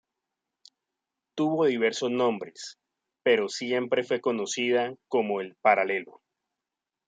Tuvo diversos nombres, pero siempre fue conocida como el Paralelo.